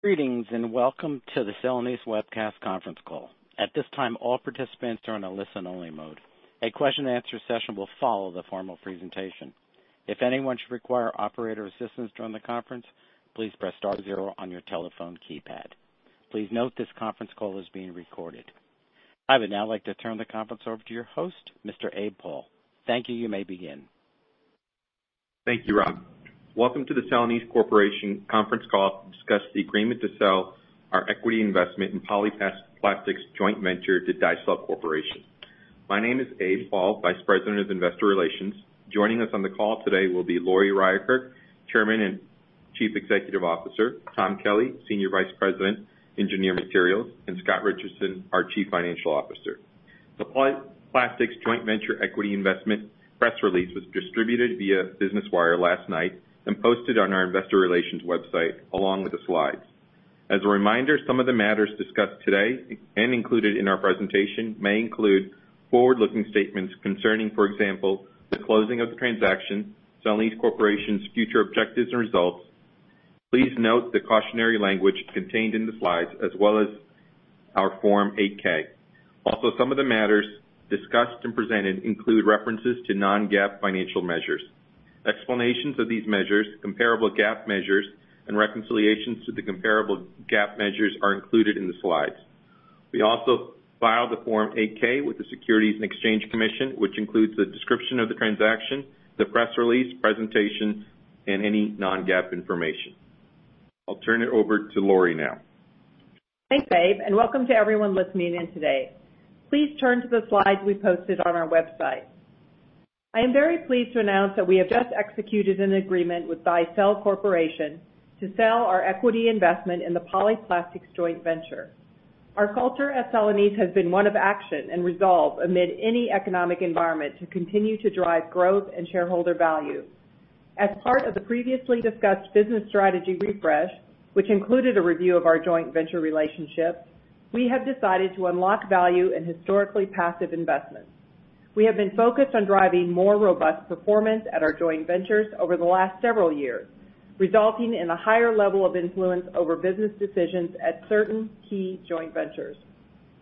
Greetings, and welcome to the Celanese webcast conference call. At this time, all participants are in a listen-only mode. A question and answer session will follow the formal presentation. If anyone should require operator assistance during the conference, please press star zero on your telephone keypad. Please note this conference call is being recorded. I would now like to turn the conference over to your host, Mr. Abe Paul. Thank you. You may begin. Thank you, Bob. Welcome to the Celanese Corporation conference call to discuss the agreement to sell our equity investment in Polyplastics' joint venture to Daicel Corporation. My name is Abe Paul, Vice President of Investor Relations. Joining us on the call today will be Lori Ryerkerk, Chairman and Chief Executive Officer, Tom Kelly, Senior Vice President, Engineered Materials, and Scott Richardson, our Chief Financial Officer. The Polyplastics joint venture equity investment press release was distributed via Business Wire last night and posted on our investor relations website, along with the slides. As a reminder, some of the matters discussed today and included in our presentation may include forward-looking statements concerning, for example, the closing of the transaction, Celanese Corporation's future objectives and results. Please note the cautionary language contained in the slides, as well as our Form 8-K. Also, some of the matters discussed and presented include references to non-GAAP financial measures. Explanations of these measures, comparable GAAP measures, and reconciliations to the comparable GAAP measures are included in the slides. We also filed the Form 8-K with the Securities and Exchange Commission, which includes the description of the transaction, the press release, presentation, and any non-GAAP information. I'll turn it over to Lori now. Thanks, Abe, and welcome to everyone listening in today. Please turn to the slides we posted on our website. I am very pleased to announce that we have just executed an agreement with Daicel Corporation to sell our equity investment in the Polyplastics joint venture. Our culture at Celanese has been one of action and resolve amid any economic environment to continue to drive growth and shareholder value. As part of the previously discussed business strategy refresh, which included a review of our joint venture relationship, we have decided to unlock value in historically passive investments. We have been focused on driving more robust performance at our joint ventures over the last several years, resulting in a higher level of influence over business decisions at certain key joint ventures.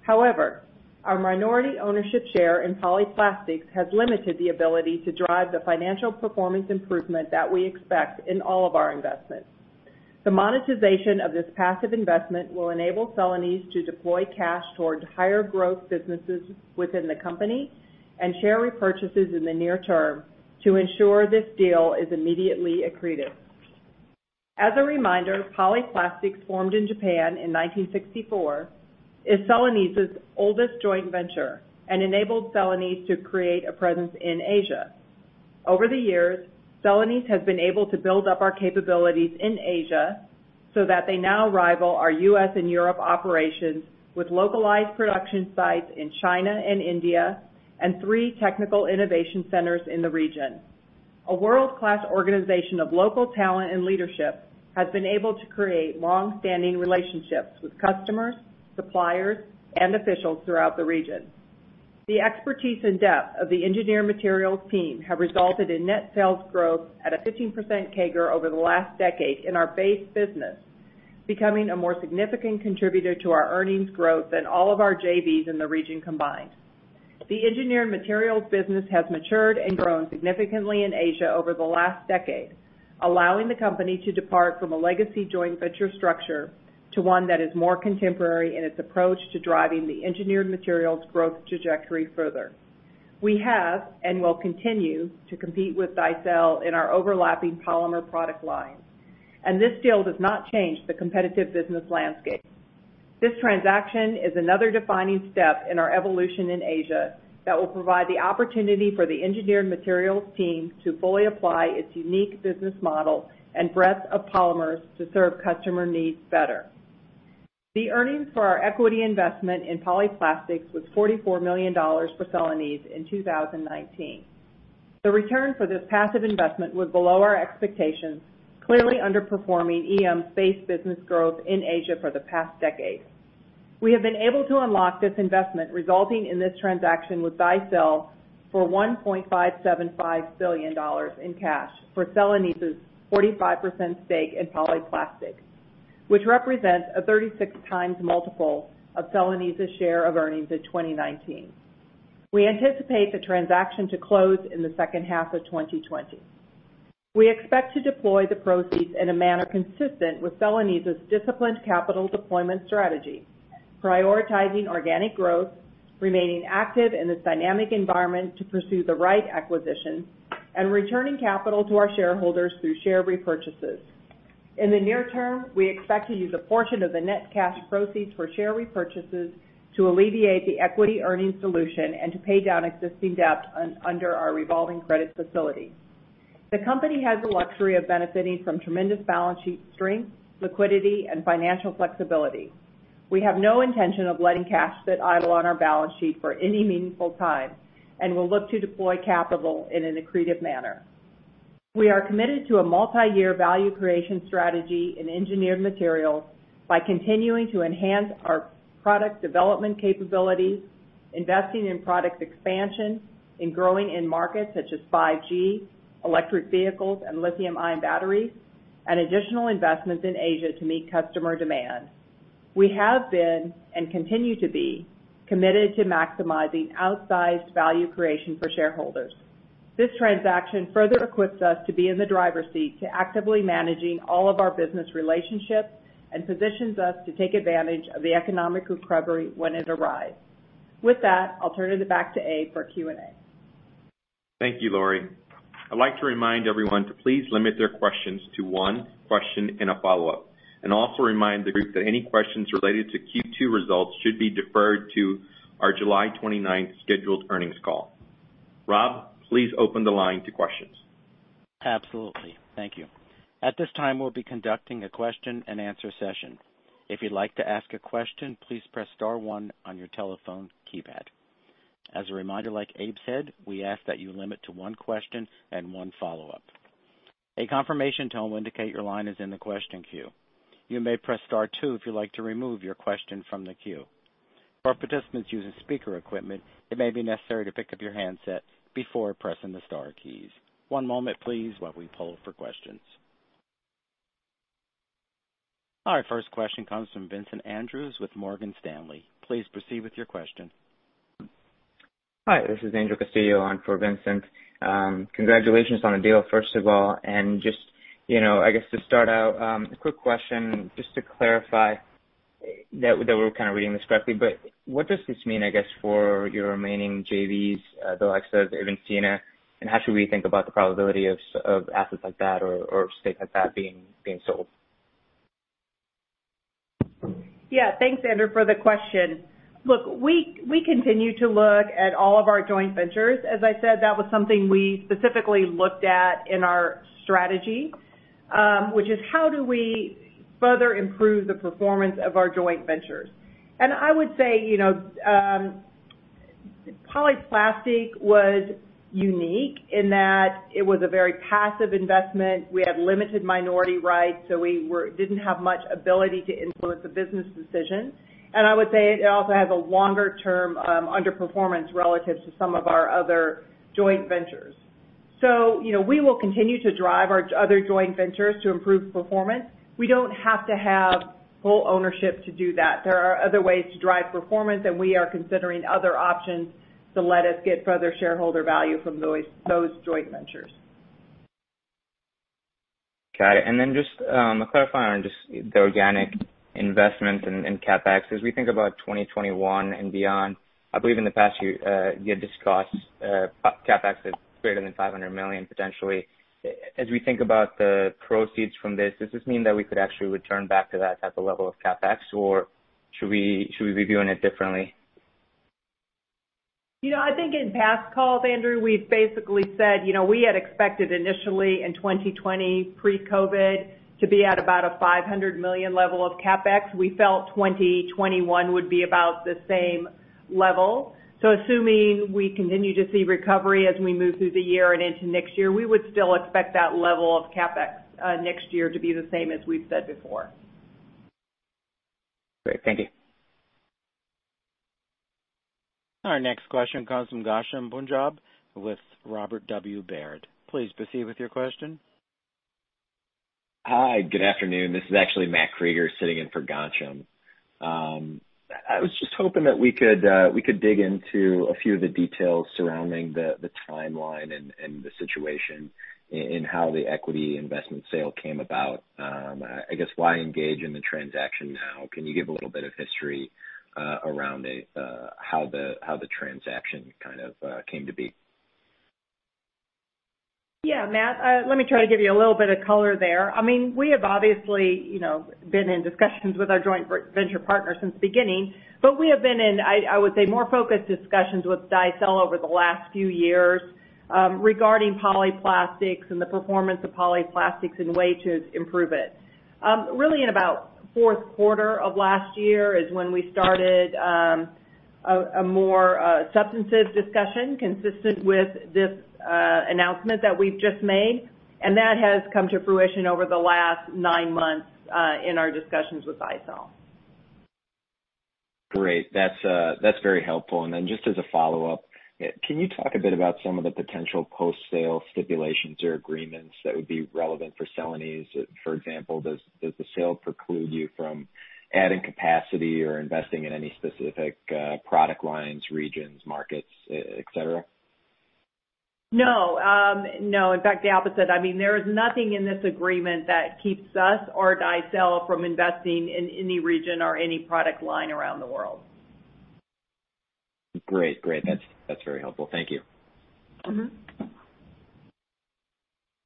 However, our minority ownership share in Polyplastics has limited the ability to drive the financial performance improvement that we expect in all of our investments. The monetization of this passive investment will enable Celanese to deploy cash towards higher growth businesses within the company and share repurchases in the near term to ensure this deal is immediately accretive. As a reminder, Polyplastics, formed in Japan in 1964, is Celanese's oldest joint venture and enabled Celanese to create a presence in Asia. Over the years, Celanese has been able to build up our capabilities in Asia so that they now rival our U.S. and Europe operations with localized production sites in China and India and three technical innovation centers in the region. A world-class organization of local talent and leadership has been able to create longstanding relationships with customers, suppliers, and officials throughout the region. The expertise and depth of the Engineered Materials team have resulted in net sales growth at a 15% CAGR over the last decade in our base business, becoming a more significant contributor to our earnings growth than all of our JVs in the region combined. The Engineered Materials business has matured and grown significantly in Asia over the last decade, allowing the company to depart from a legacy joint venture structure to one that is more contemporary in its approach to driving the Engineered Materials growth trajectory further. We have and will continue to compete with Daicel in our overlapping polymer product lines, and this deal does not change the competitive business landscape. This transaction is another defining step in our evolution in Asia that will provide the opportunity for the Engineered Materials team to fully apply its unique business model and breadth of polymers to serve customer needs better. The earnings for our equity investment in Polyplastics was $44 million for Celanese in 2019. The return for this passive investment was below our expectations, clearly underperforming EM base business growth in Asia for the past decade. We have been able to unlock this investment, resulting in this transaction with Daicel for $1.575 billion in cash for Celanese's 45% stake in Polyplastics, which represents a 36 times multiple of Celanese's share of earnings in 2019. We anticipate the transaction to close in the second half of 2020. We expect to deploy the proceeds in a manner consistent with Celanese's disciplined capital deployment strategy, prioritizing organic growth, remaining active in this dynamic environment to pursue the right acquisition, and returning capital to our shareholders through share repurchases. In the near term, we expect to use a portion of the net cash proceeds for share repurchases to alleviate the equity earnings dilution and to pay down existing debt under our revolving credit facility. The company has the luxury of benefiting from tremendous balance sheet strength, liquidity, and financial flexibility. We have no intention of letting cash sit idle on our balance sheet for any meaningful time and will look to deploy capital in an accretive manner. We are committed to a multi-year value creation strategy in Engineered Materials by continuing to enhance our product development capabilities, investing in product expansion and growing in markets such as 5G, electric vehicles, and lithium-ion batteries, and additional investments in Asia to meet customer demand. We have been, and continue to be, committed to maximizing outsized value creation for shareholders. This transaction further equips us to be in the driver's seat to actively managing all of our business relationships and positions us to take advantage of the economic recovery when it arrives. With that, I'll turn it back to Abe for Q&A. Thank you, Lori. I'd like to remind everyone to please limit their questions to one question and a follow-up, and also remind the group that any questions related to Q2 results should be deferred to our July 29th scheduled earnings call. Rob, please open the line to questions. Absolutely. Thank you. At this time, we'll be conducting a question and answer session. If you'd like to ask a question, please press star one on your telephone keypad. As a reminder, like Abe said, we ask that you limit to one question and one follow-up. A confirmation tone will indicate your line is in the question queue. You may press star two if you'd like to remove your question from the queue. For our participants using speaker equipment, it may be necessary to pick up your handset before pressing the star keys. One moment please, while we poll for questions. Our first question comes from Vincent Andrews with Morgan Stanley. Please proceed with your question. Hi, this is Andrew Castillo on for Vincent. Congratulations on the deal, first of all, and just I guess to start out, a quick question just to clarify that we're kind of reading this correctly, but what does this mean, I guess, for your remaining JVs, the likes of Avintia, and how should we think about the probability of assets like that or stakes like that being sold? Thanks, Andrew, for the question. Look, we continue to look at all of our joint ventures. As I said, that was something we specifically looked at in our strategy, which is how do we further improve the performance of our joint ventures? I would say, Polyplastics was unique in that it was a very passive investment. We had limited minority rights, we didn't have much ability to influence the business decisions. I would say it also has a longer-term underperformance relative to some of our other joint ventures. We will continue to drive our other joint ventures to improve performance. We don't have to have full ownership to do that. There are other ways to drive performance, we are considering other options to let us get further shareholder value from those joint ventures. Got it. Just a clarifier on just the organic investments and CapEx. As we think about 2021 and beyond, I believe in the past year you had discussed CapEx as greater than $500 million potentially. As we think about the proceeds from this, does this mean that we could actually return back to that type of level of CapEx, or should we be viewing it differently? I think in past calls, Andrew, we've basically said we had expected initially in 2020 pre-COVID to be at about a $500 million level of CapEx. We felt 2021 would be about the same level. Assuming we continue to see recovery as we move through the year and into next year, we would still expect that level of CapEx next year to be the same as we've said before. Great. Thank you. Our next question comes from Ghansham Panjabi with Robert W. Baird. Please proceed with your question. Hi, good afternoon. This is actually Matthew Krueger sitting in for Ghansham. I was just hoping that we could dig into a few of the details surrounding the timeline and the situation in how the equity investment sale came about. I guess why engage in the transaction now? Can you give a little bit of history around how the transaction kind of came to be? Yeah, Matt. Let me try to give you a little bit of color there. We have obviously been in discussions with our joint venture partner since the beginning. We have been in, I would say, more focused discussions with Daicel over the last few years regarding Polyplastics and the performance of Polyplastics and ways to improve it. Really in about fourth quarter of last year is when we started a more substantive discussion consistent with this announcement that we've just made, and that has come to fruition over the last nine months in our discussions with Daicel. Great. That's very helpful. Just as a follow-up, can you talk a bit about some of the potential post-sale stipulations or agreements that would be relevant for Celanese? For example, does the sale preclude you from adding capacity or investing in any specific product lines, regions, markets, et cetera? No. In fact, the opposite. There is nothing in this agreement that keeps us or Daicel from investing in any region or any product line around the world. Great. That's very helpful. Thank you.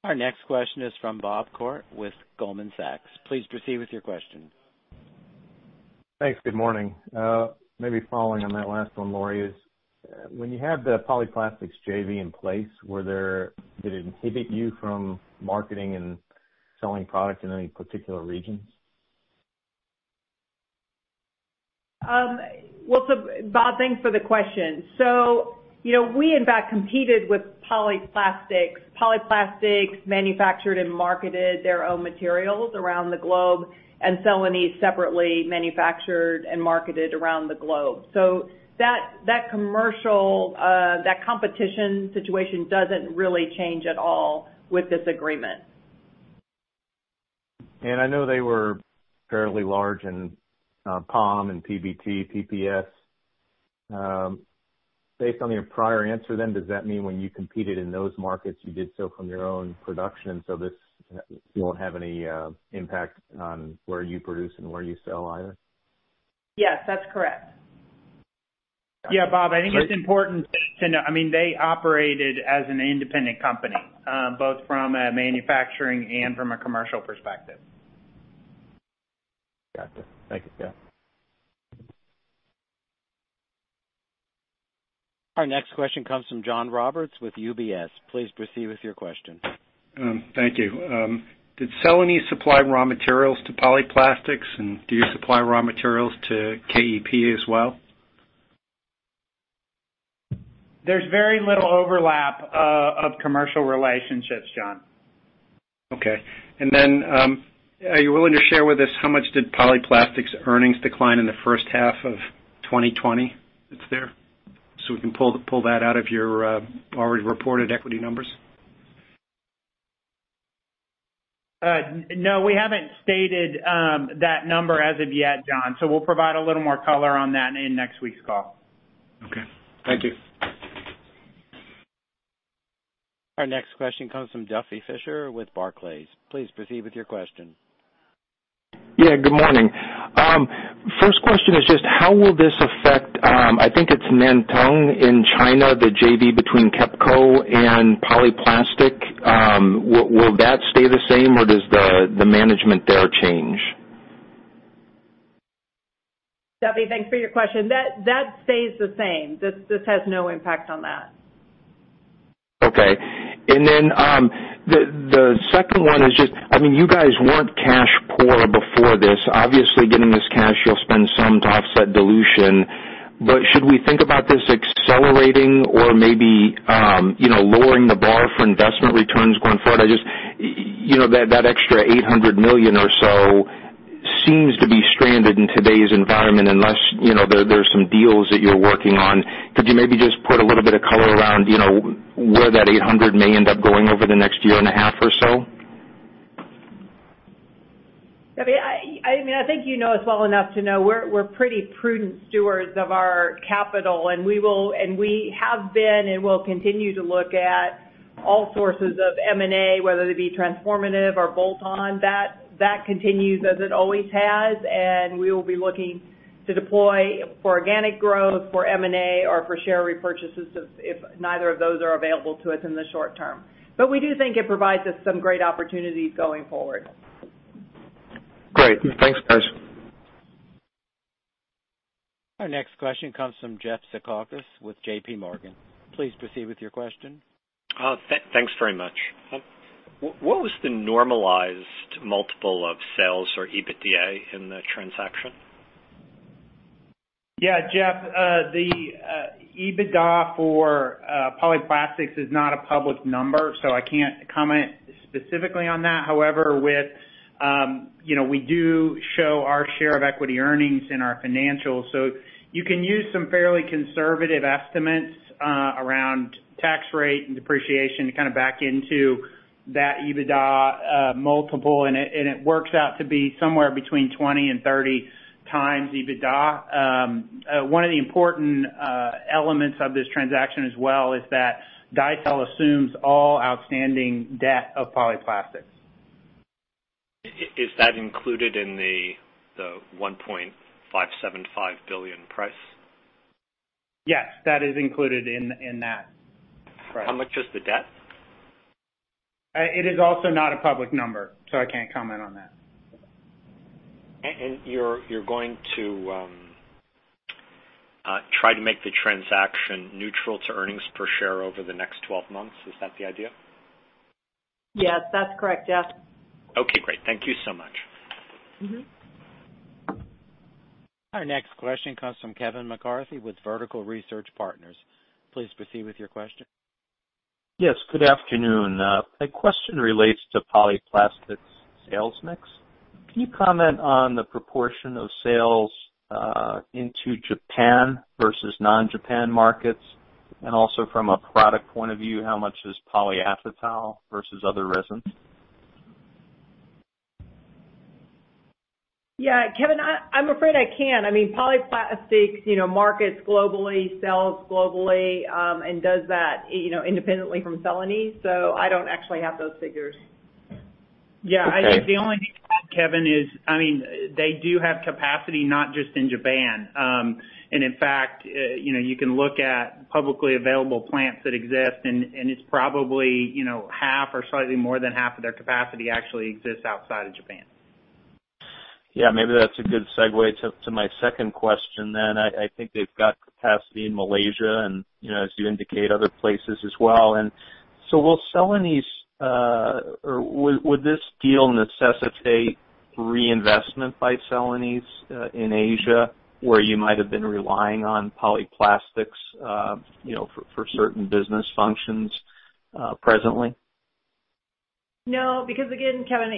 Our next question is from Bob Koort with Goldman Sachs. Please proceed with your question. Thanks. Good morning. Maybe following on that last one, Lori, is when you have the Polyplastics JV in place, did it inhibit you from marketing and selling product in any particular regions? Well, Bob, thanks for the question. We, in fact, competed with Polyplastics. Polyplastics manufactured and marketed their own materials around the globe and Celanese separately manufactured and marketed around the globe. That competition situation doesn't really change at all with this agreement. I know they were fairly large in POM and PBT, PPS. Based on your prior answer then, does that mean when you competed in those markets, you did so from your own production, so this won't have any impact on where you produce and where you sell either? Yes, that's correct. Yeah, Bob, I think it's important to know, they operated as an independent company, both from a manufacturing and from a commercial perspective. Got it. Thank you. Yeah. Our next question comes from John Roberts with UBS. Please proceed with your question. Thank you. Did Celanese supply raw materials to Polyplastics and do you supply raw materials to KEP as well? There's very little overlap of commercial relationships, John. Okay. Are you willing to share with us how much did Polyplastics' earnings decline in the first half of 2020? It's there, so we can pull that out of your already reported equity numbers. No, we haven't stated that number as of yet, John. We'll provide a little more color on that in next week's call. Okay. Thank you. Our next question comes from Duffy Fischer with Barclays. Please proceed with your question. Yeah, good morning. First question is just how will this affect, I think it's Nantong in China, the JV between KEPCO and Polyplastics. Will that stay the same or does the management there change? Duffy, thanks for your question. That stays the same. This has no impact on that. Okay. The second one is just, you guys weren't cash poor before this. Obviously, getting this cash, you'll spend some to offset dilution. Should we think about this accelerating or maybe lowering the bar for investment returns going forward? I just, that extra $800 million or so seems to be stranded in today's environment unless there's some deals that you're working on. Could you maybe just put a little bit of color around where that $800 may end up going over the next year and a half or so? Duffy, I think you know us well enough to know we're pretty prudent stewards of our capital. We have been, and we'll continue to look at all sources of M&A, whether they be transformative or bolt-on. That continues as it always has. We will be looking to deploy for organic growth, for M&A, or for share repurchases if neither of those are available to us in the short term. We do think it provides us some great opportunities going forward. Great. Thanks, guys. Our next question comes from Jeff Zekauskas with JPMorgan. Please proceed with your question. Thanks very much. What was the normalized multiple of sales or EBITDA in the transaction? Yeah, Jeff, the EBITDA for Polyplastics is not a public number, so I can't comment specifically on that. We do show our share of equity earnings in our financials, so you can use some fairly conservative estimates around tax rate and depreciation to kind of back into that EBITDA multiple, and it works out to be somewhere between 20 and 30 times EBITDA. One of the important elements of this transaction as well is that Daicel assumes all outstanding debt of Polyplastics. Is that included in the $1.575 billion price? Yes, that is included in that price. How much is the debt? It is also not a public number, so I can't comment on that. You're going to try to make the transaction neutral to earnings per share over the next 12 months. Is that the idea? Yes, that's correct, Jeff. Okay, great. Thank you so much. Our next question comes from Kevin McCarthy with Vertical Research Partners. Please proceed with your question. Yes, good afternoon. My question relates to Polyplastics' sales mix. Can you comment on the proportion of sales into Japan versus non-Japan markets? Also from a product point of view, how much is polyacetal versus other resins? Yeah, Kevin, I'm afraid I can't. Polyplastics markets globally, sells globally, and does that independently from Celanese. I don't actually have those figures. Yeah. I think the only thing, Kevin, is they do have capacity, not just in Japan. In fact, you can look at publicly available plants that exist, and it's probably half or slightly more than half of their capacity actually exists outside of Japan. Yeah, maybe that's a good segue to my second question, then. I think they've got capacity in Malaysia and, as you indicate, other places as well. Will this deal necessitate reinvestment by Celanese in Asia, where you might have been relying on Polyplastics for certain business functions presently? No, because again, Kevin,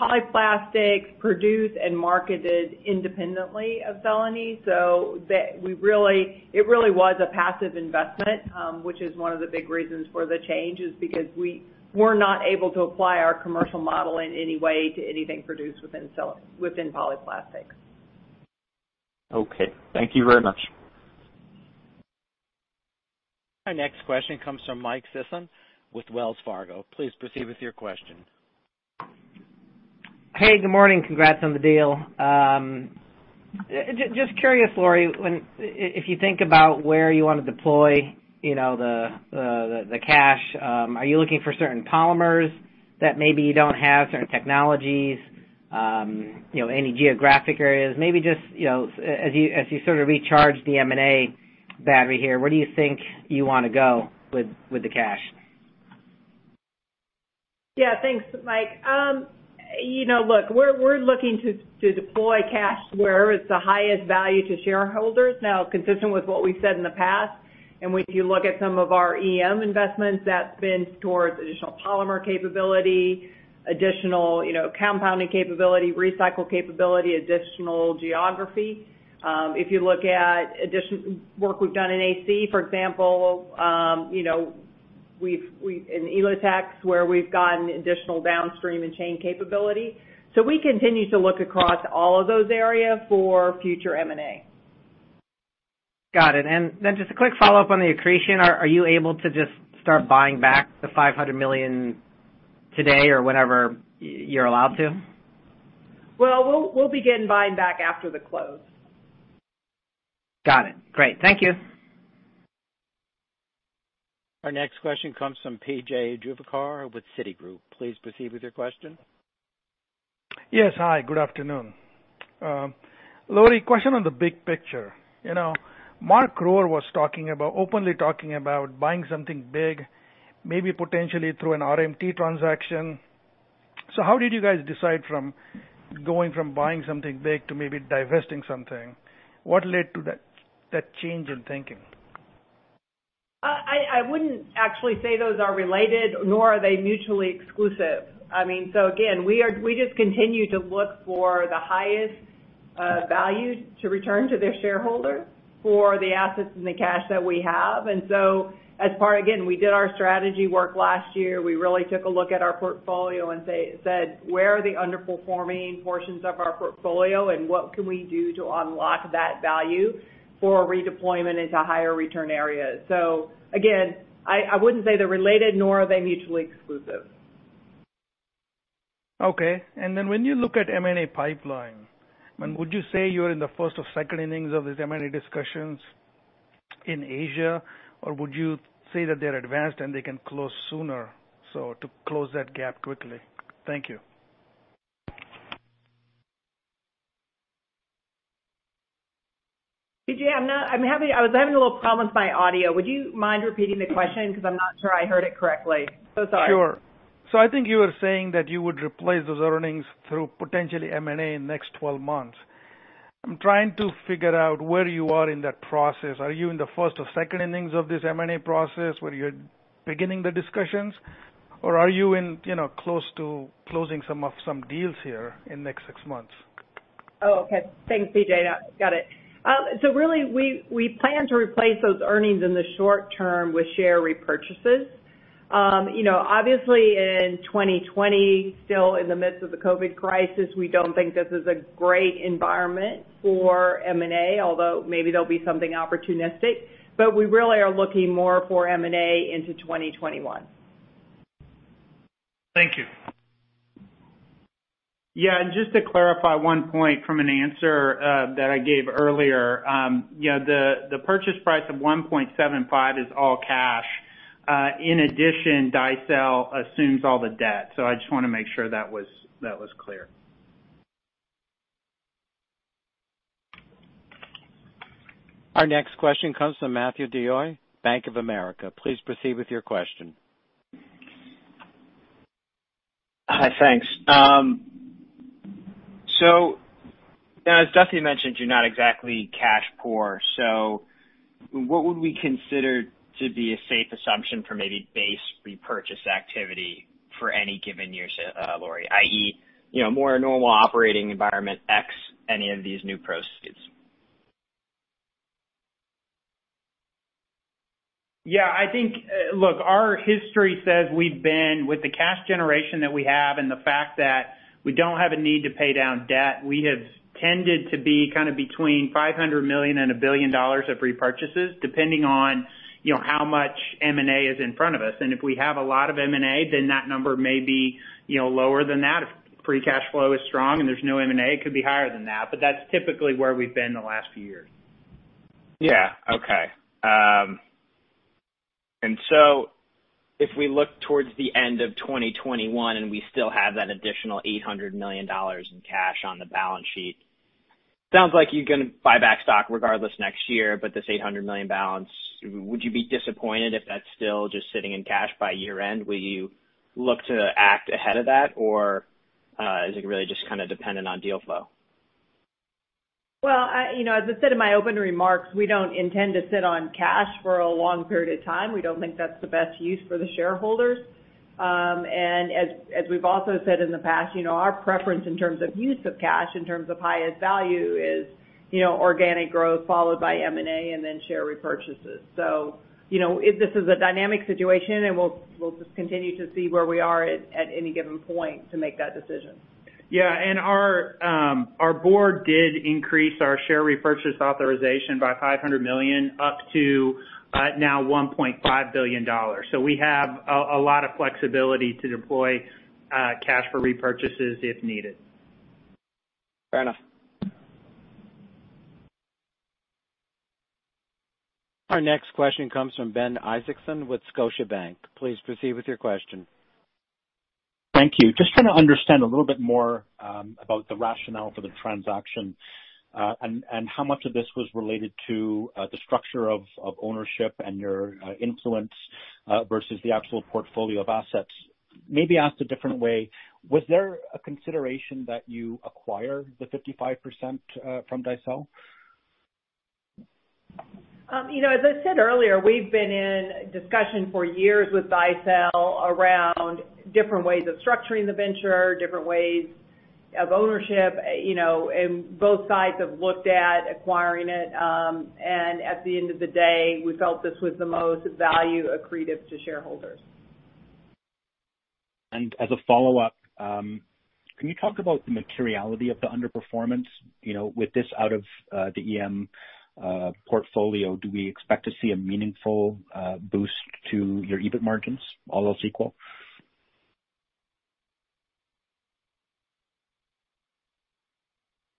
Polyplastics produced and marketed independently of Celanese, so it really was a passive investment, which is one of the big reasons for the change, is because we were not able to apply our commercial model in any way to anything produced within Polyplastics. Okay. Thank you very much. Our next question comes from Michael Sison with Wells Fargo. Please proceed with your question. Hey, good morning. Congrats on the deal. Just curious, Lori, if you think about where you want to deploy the cash, are you looking for certain polymers that maybe you don't have, certain technologies, any geographic areas? Maybe just as you sort of recharge the M&A battery here, where do you think you want to go with the cash? Yeah. Thanks, Mike. Look, we're looking to deploy cash where it's the highest value to shareholders. Now, consistent with what we've said in the past, and if you look at some of our EM investments, that's been towards additional polymer capability, additional compounding capability, recycle capability, additional geography. If you look at work we've done in AC, for example, in Elotex, where we've gotten additional downstream and chain capability. We continue to look across all of those areas for future M&A. Got it. Just a quick follow-up on the accretion. Are you able to just start buying back the $500 million today or whenever you're allowed to? Well, we'll begin buying back after the close. Got it. Great. Thank you. Our next question comes from P.J. Juvekar with Citigroup. Please proceed with your question. Yes. Hi, good afternoon. Lori, question on the big picture. Mark Rohr was openly talking about buying something big, maybe potentially through an RMT transaction. How did you guys decide from going from buying something big to maybe divesting something? What led to that change in thinking? I wouldn't actually say those are related, nor are they mutually exclusive. Again, we just continue to look for the highest value to return to the shareholder for the assets and the cash that we have. As part, again, we did our strategy work last year. We really took a look at our portfolio and said, "Where are the underperforming portions of our portfolio, and what can we do to unlock that value for redeployment into higher return areas?" Again, I wouldn't say they're related, nor are they mutually exclusive. Okay. When you look at M&A pipeline, would you say you're in the first or second innings of these M&A discussions in Asia, or would you say that they're advanced and they can close sooner, so to close that gap quickly? Thank you. P.J., I was having a little problem with my audio. Would you mind repeating the question? I'm not sure I heard it correctly. Sorry. Sure. I think you were saying that you would replace those earnings through potentially M&A in the next 12 months. I'm trying to figure out where you are in that process. Are you in the first or second innings of this M&A process, where you're beginning the discussions, or are you close to closing some deals here in the next six months? Oh, okay. Thanks, P.J. Got it. Really, we plan to replace those earnings in the short term with share repurchases. Obviously in 2020, still in the midst of the COVID crisis, we don't think this is a great environment for M&A, although maybe there'll be something opportunistic. We really are looking more for M&A into 2021. Thank you. Just to clarify one point from an answer that I gave earlier. The purchase price of $1.75 billion is all cash. In addition, Daicel assumes all the debt. I just want to make sure that was clear. Our next question comes from Matthew DeYoe, Bank of America. Please proceed with your question. Hi. Thanks. As [Dustin] mentioned, you're not exactly cash poor. What would we consider to be a safe assumption for maybe base repurchase activity for any given year, Lori? I.e., more normal operating environment X any of these new proceeds. Yeah, look, our history says we've been with the cash generation that we have and the fact that we don't have a need to pay down debt, we have tended to be kind of between $500 million and $1 billion of repurchases, depending on how much M&A is in front of us. If we have a lot of M&A, then that number may be lower than that. If free cash flow is strong and there's no M&A, it could be higher than that. That's typically where we've been the last few years. Yeah. Okay. If we look towards the end of 2021 and we still have that additional $800 million in cash on the balance sheet. Sounds like you're going to buy back stock regardless next year, but this $800 million balance, would you be disappointed if that's still just sitting in cash by year-end? Will you look to act ahead of that, or is it really just dependent on deal flow? Well, as I said in my opening remarks, we don't intend to sit on cash for a long period of time. We don't think that's the best use for the shareholders. As we've also said in the past, our preference in terms of use of cash, in terms of highest value is organic growth followed by M&A and then share repurchases. This is a dynamic situation, and we'll just continue to see where we are at any given point to make that decision. Yeah. Our board did increase our share repurchase authorization by $500 million up to now $1.5 billion. We have a lot of flexibility to deploy cash for repurchases if needed. Fair enough. Our next question comes from Ben Isaacson with Scotiabank. Please proceed with your question. Thank you. Just trying to understand a little bit more about the rationale for the transaction, and how much of this was related to the structure of ownership and your influence versus the actual portfolio of assets. Maybe asked a different way, was there a consideration that you acquire the 55% from Daicel? As I said earlier, we've been in discussion for years with Daicel around different ways of structuring the venture, different ways of ownership, and both sides have looked at acquiring it. At the end of the day, we felt this was the most value accretive to shareholders. As a follow-up, can you talk about the materiality of the underperformance? With this out of the EM portfolio, do we expect to see a meaningful boost to your EBIT margins, all else equal?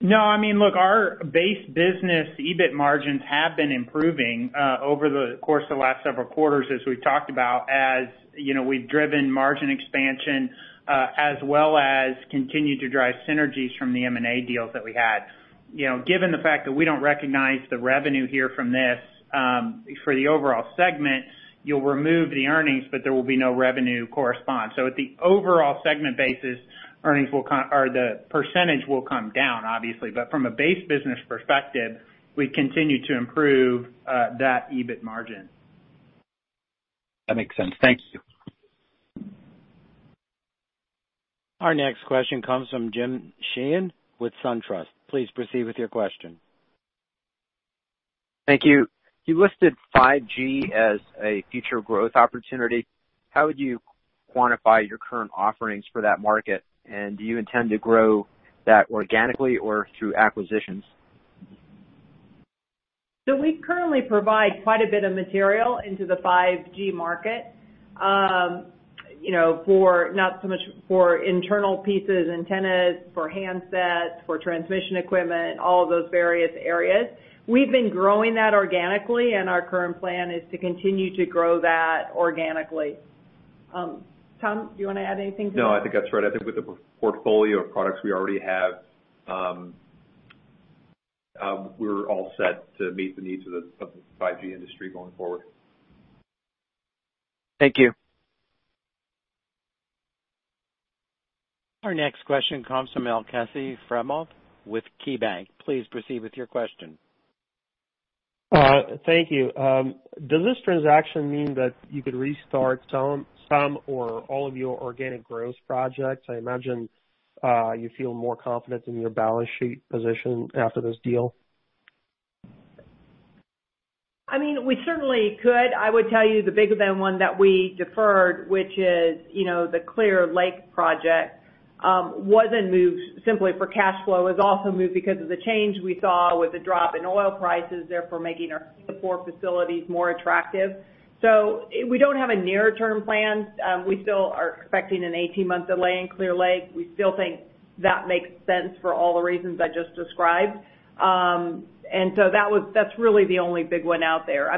Look, our base business EBIT margins have been improving over the course of the last several quarters, as we've talked about, as we've driven margin expansion, as well as continued to drive synergies from the M&A deals that we had. Given the fact that we don't recognize the revenue here from this for the overall segment, you'll remove the earnings, but there will be no revenue correspond. At the overall segment basis, the percentage will come down, obviously. From a base business perspective, we continue to improve that EBIT margin. That makes sense. Thank you. Our next question comes from James Sheehan with SunTrust. Please proceed with your question. Thank you. You listed 5G as a future growth opportunity. How would you quantify your current offerings for that market? Do you intend to grow that organically or through acquisitions? We currently provide quite a bit of material into the 5G market, not so much for internal pieces, antennas, for handsets, for transmission equipment, all of those various areas. We've been growing that organically, and our current plan is to continue to grow that organically. Tom, do you want to add anything to that? No, I think that's right. I think with the portfolio of products we already have, we're all set to meet the needs of the 5G industry going forward. Thank you. Our next question comes from Aleksey Yefremov with KeyBank. Please proceed with your question. Thank you. Does this transaction mean that you could restart some or all of your organic growth projects? I imagine you feel more confident in your balance sheet position after this deal. We certainly could. I would tell you the bigger than one that we deferred, which is the Clear Lake project, wasn't moved simply for cash flow. It was also moved because of the change we saw with the drop in oil prices, therefore making our support facilities more attractive. We don't have a near-term plan. We still are expecting an 18-month delay in Clear Lake. We still think that makes sense for all the reasons I just described. That's really the only big one out there.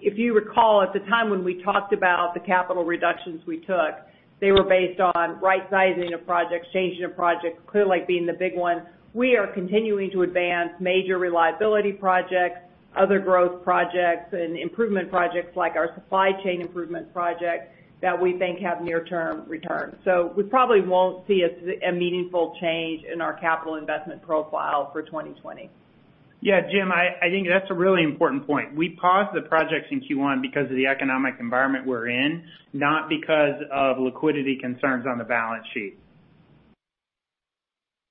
If you recall, at the time when we talked about the capital reductions we took, they were based on right-sizing of projects, changing of projects, Clear Lake being the big one. We are continuing to advance major reliability projects, other growth projects, and improvement projects like our supply chain improvement project that we think have near-term returns. We probably won't see a meaningful change in our capital investment profile for 2020. Yeah, Jim, I think that's a really important point. We paused the projects in Q1 because of the economic environment we're in, not because of liquidity concerns on the balance sheet.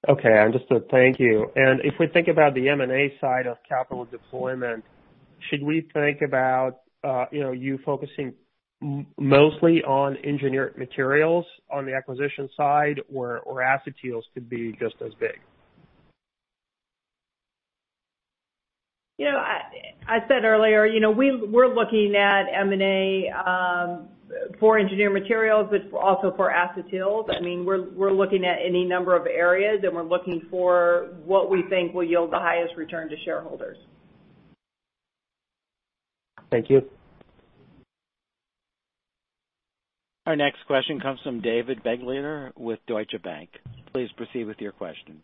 Okay. Understood. Thank you. If we think about the M&A side of capital deployment, should we think about you focusing mostly on Engineered Materials on the acquisition side, or asset deals could be just as big? I said earlier, we're looking at M&A for Engineered Materials, but also for asset deals. We're looking at any number of areas, and we're looking for what we think will yield the highest return to shareholders. Thank you. Our next question comes from David Begleiter with Deutsche Bank. Please proceed with your question.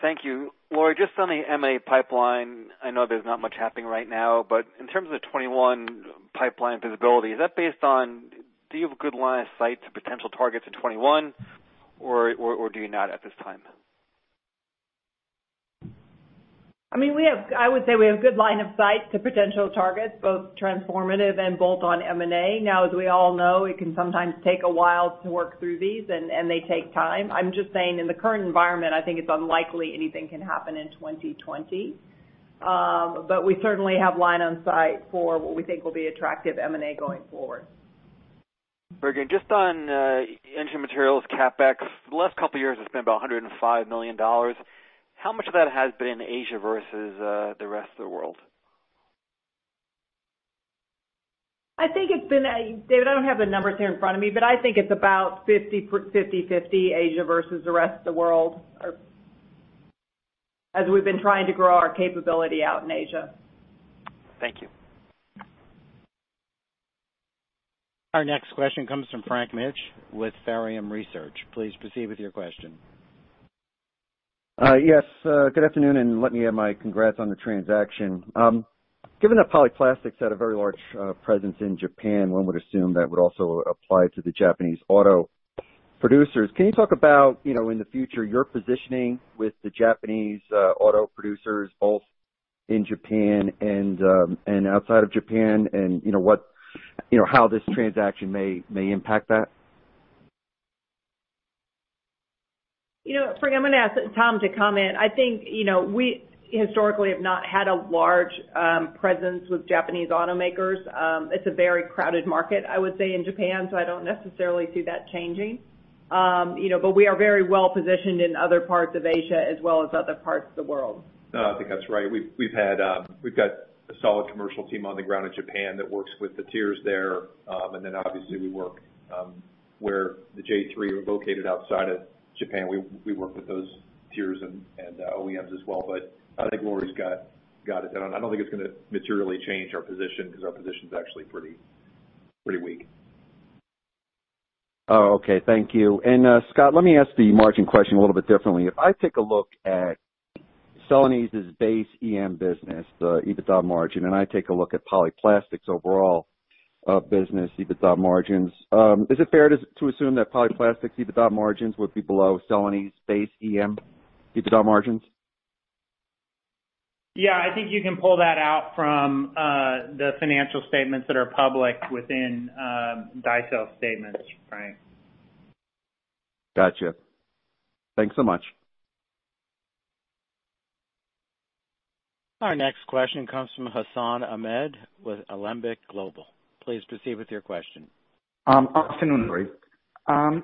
Thank you. Lori, just on the M&A pipeline, I know there's not much happening right now, but in terms of the 2021 pipeline visibility, is that based on, do you have a good line of sight to potential targets in 2021, or do you not at this time? I would say we have good line of sight to potential targets, both transformative and bolt-on M&A. As we all know, it can sometimes take a while to work through these, and they take time. I'm just saying, in the current environment, I think it's unlikely anything can happen in 2020. We certainly have line of sight for what we think will be attractive M&A going forward. [Brig], just on Engineered Materials CapEx, the last couple of years it's been about $105 million. How much of that has been Asia versus the rest of the world? David, I don't have the numbers here in front of me, but I think it's about 50/50 Asia versus the rest of the world. We've been trying to grow our capability out in Asia. Thank you. Our next question comes from Frank Mitsch with Fermium Research. Please proceed with your question. Good afternoon, let me add my congrats on the transaction. Given that Polyplastics had a very large presence in Japan, one would assume that would also apply to the Japanese auto producers. Can you talk about, in the future, your positioning with the Japanese auto producers, both in Japan and outside of Japan and how this transaction may impact that? Frank, I'm going to ask Tom to comment. I think, we historically have not had a large presence with Japanese automakers. It's a very crowded market, I would say, in Japan, so I don't necessarily see that changing. We are very well-positioned in other parts of Asia as well as other parts of the world. No, I think that's right. We've got a solid commercial team on the ground in Japan that works with the tiers there. Obviously we work, where the J3 are located outside of Japan, we work with those tiers and OEMs as well. I think Lori's got it. I don't think it's going to materially change our position because our position is actually pretty weak. Okay. Thank you. Scott, let me ask the margin question a little bit differently. If I take a look at Celanese's base EM business, the EBITDA margin, I take a look at Polyplastics' overall business EBITDA margins, is it fair to assume that Polyplastics' EBITDA margins would be below Celanese base EM EBITDA margins? Yeah, I think you can pull that out from the financial statements that are public within Daicel statements, Frank. Got you. Thanks so much. Our next question comes from Hassan Ahmed with Alembic Global. Please proceed with your question. Good afternoon, Lori. I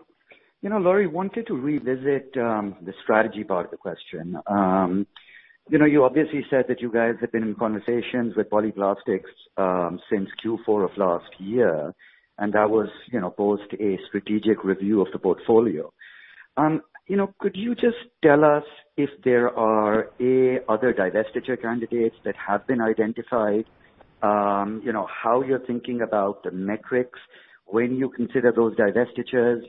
wanted to revisit the strategy part of the question. You obviously said that you guys have been in conversations with Polyplastics since Q4 of last year, and that was post a strategic review of the portfolio. Could you just tell us if there are, A, other divestiture candidates that have been identified? How you're thinking about the metrics when you consider those divestitures?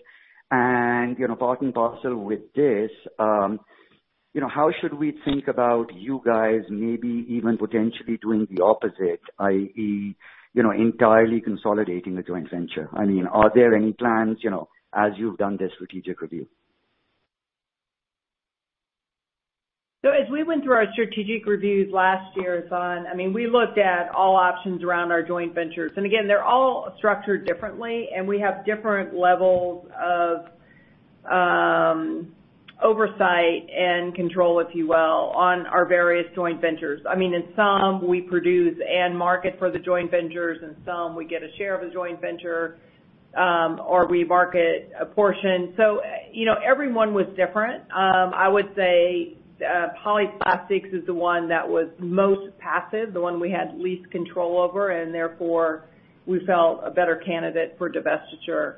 Part and parcel with this, how should we think about you guys maybe even potentially doing the opposite, i.e., entirely consolidating a joint venture? Are there any plans, as you've done this strategic review? As we went through our strategic reviews last year, Hassan, we looked at all options around our joint ventures. Again, they're all structured differently, and we have different levels of oversight and control, if you will, on our various joint ventures. In some, we produce and market for the joint ventures, in some, we get a share of a joint venture, or we market a portion. Every one was different. I would say Polyplastics is the one that was most passive, the one we had least control over, and therefore we felt a better candidate for divestiture.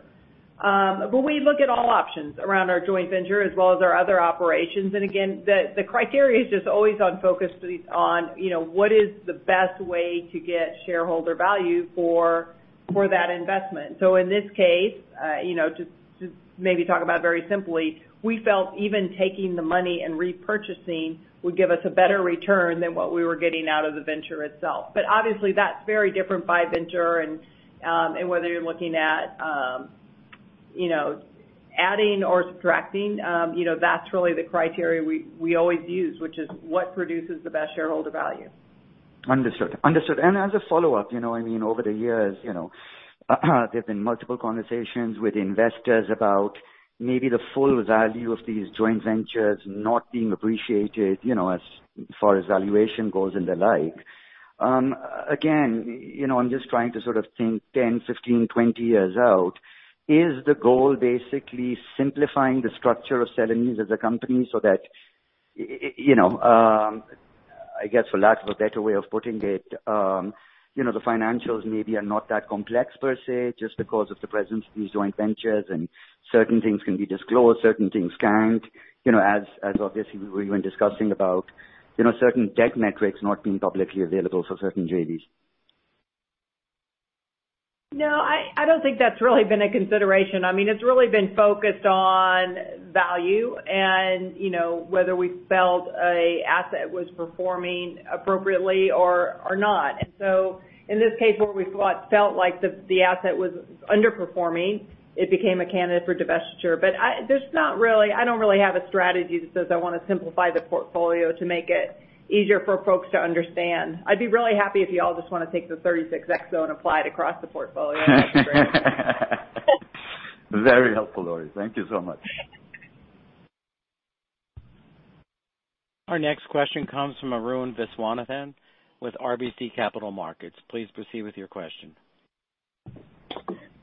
We look at all options around our joint venture as well as our other operations. Again, the criteria is just always on focus on what is the best way to get shareholder value for that investment. In this case, to maybe talk about it very simply, we felt even taking the money and repurchasing would give us a better return than what we were getting out of the venture itself. Obviously, that's very different by venture and whether you're looking at adding or subtracting. That's really the criteria we always use, which is what produces the best shareholder value. Understood. As a follow-up, over the years, there have been multiple conversations with investors about maybe the full value of these joint ventures not being appreciated, as far as valuation goes and the like. I'm just trying to sort of think 10, 15, 20 years out. Is the goal basically simplifying the structure of Celanese as a company so that, I guess for lack of a better way of putting it, the financials maybe are not that complex per se, just because of the presence of these joint ventures and certain things can be disclosed, certain things can't, as obviously we were even discussing about certain debt metrics not being publicly available for certain JVs? No, I don't think that's really been a consideration. It's really been focused on value and whether we felt a asset was performing appropriately or not. In this case, where we felt like the asset was underperforming, it became a candidate for divestiture. I don't really have a strategy that says I want to simplify the portfolio to make it easier for folks to understand. I'd be really happy if you all just want to take the 36x multiple and apply it across the portfolio. That'd be great. Very helpful, Laurie. Thank you so much. Our next question comes from Arun Viswanathan with RBC Capital Markets. Please proceed with your question.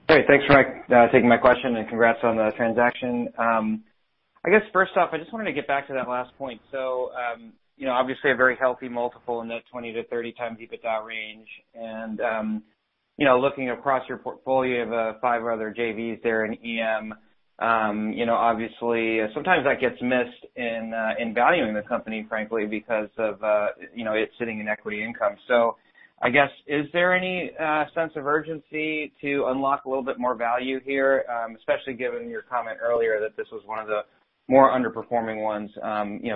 Hey, thanks for taking my question. Congrats on the transaction. I guess first off, I just wanted to get back to that last point. Obviously, a very healthy multiple in that 20x-30x EBITDA range. Looking across your portfolio of five other JVs there in EM, obviously sometimes that gets missed in valuing the company, frankly, because of it sitting in equity income. I guess, is there any sense of urgency to unlock a little bit more value here? Especially given your comment earlier that this was one of the more underperforming ones.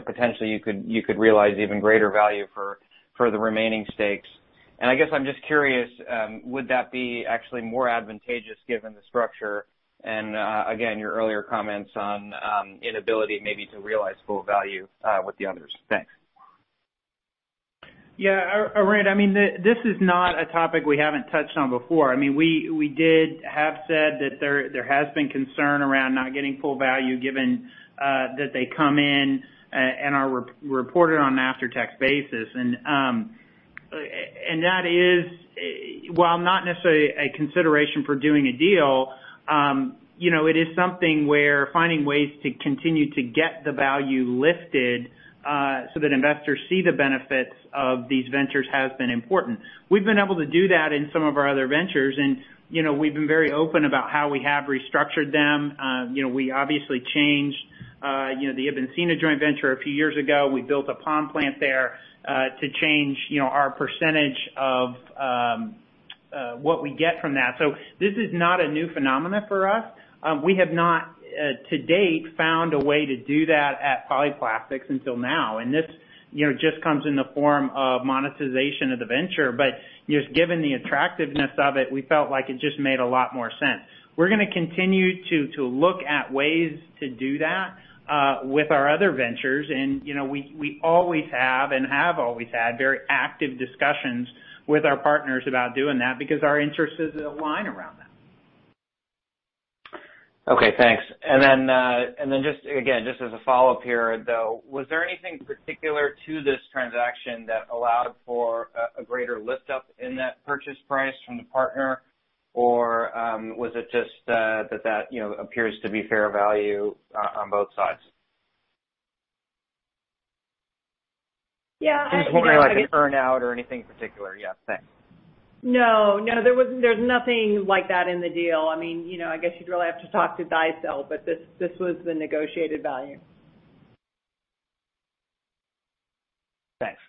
Potentially you could realize even greater value for the remaining stakes. I guess I'm just curious, would that be actually more advantageous given the structure and, again, your earlier comments on inability maybe to realize full value with the others? Thanks. Yeah. Arun, this is not a topic we haven't touched on before. We did have said that there has been concern around not getting full value given that they come in and are reported on an after-tax basis. That is, while not necessarily a consideration for doing a deal, it is something where finding ways to continue to get the value lifted so that investors see the benefits of these ventures has been important. We've been able to do that in some of our other ventures, and we've been very open about how we have restructured them. We obviously changed the Ibn Sina joint venture a few years ago. We built a POM plant there to change our percentage of what we get from that. This is not a new phenomenon for us. We have not, to date, found a way to do that at Polyplastics until now, and this just comes in the form of monetization of the venture. Just given the attractiveness of it, we felt like it just made a lot more sense. We're going to continue to look at ways to do that with our other ventures. We always have and have always had very active discussions with our partners about doing that because our interests align around that. Okay, thanks. Just again, just as a follow-up here, though, was there anything particular to this transaction that allowed for a greater lift up in that purchase price from the partner? Or was it just that appears to be fair value on both sides? Yeah. Just wondering, like an earn out or anything particular? Yeah, thanks. No. There's nothing like that in the deal. I guess you'd really have to talk to Daicel, but this was the negotiated value. Thanks.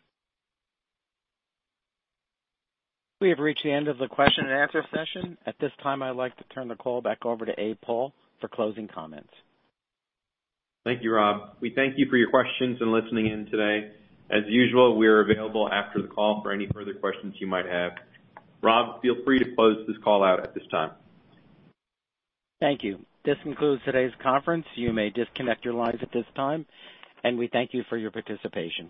We have reached the end of the question and answer session. At this time, I'd like to turn the call back over to Abe Paul for closing comments. Thank you, Rob. We thank you for your questions and listening in today. As usual, we are available after the call for any further questions you might have. Rob, feel free to close this call out at this time. Thank you. This concludes today's conference. You may disconnect your lines at this time, and we thank you for your participation.